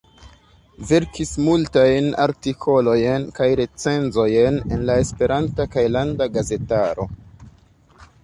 Verkis multajn artikolojn kaj recenzojn en la esperanta kaj landa gazetaro.